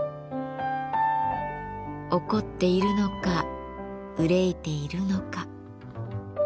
怒っているのか憂いているのか。